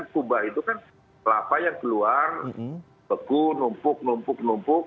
kubah itu kan lava yang keluar beku numpuk numpuk numpuk